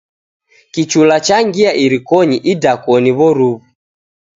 Kichula changia irikonyi idakoni w'oruw'u.